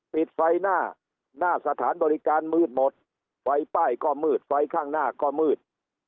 ปิดไฟหน้าหน้าสถานบริการมืดหมดไฟป้ายก็มืดไฟข้างหน้าก็มืด